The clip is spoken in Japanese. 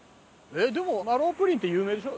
でもマーロウプリンって有名でしょ？